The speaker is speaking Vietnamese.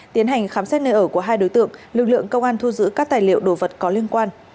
tiến hành khám xét nơi ở của hai đối tượng lực lượng công an thu giữ các tài liệu đồ vật có liên quan